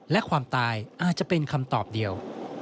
และความตายอาจจะเป็นคำตอบเดียว